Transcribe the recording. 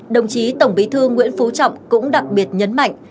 đồng chí tổng bí thư nguyễn phú trọng cũng đặc biệt nhấn mạnh